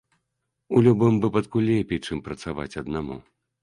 У любым выпадку, лепей, чым працаваць аднаму.